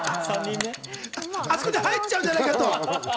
あそこに入っちゃうんじゃないかと。